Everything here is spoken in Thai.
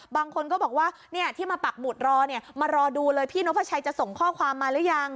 บางคนก็บอกว่าเนี่ยที่มาปักหมุดรอเนี่ยมารอดูเลยพี่นกพระชัยจะส่งข้อความมาหรือยัง